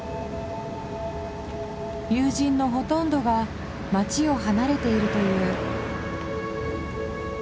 友人のほとんどが町を離れているという。